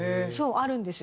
あるんですよ。